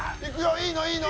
いいのいいの？